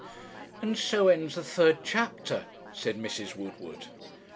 '" 'And so ends the third chapter,' said Mrs. Woodward.